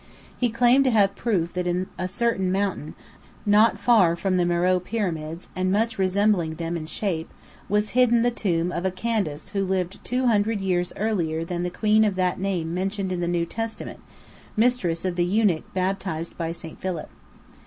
He claimed to have proof that in a certain mountain not far from the Meröe pyramids, and much resembling them in shape, was hidden the tomb of a Candace who lived two hundred years earlier than the queen of that name mentioned in the New Testament, mistress of the eunuch baptized by St. Philip.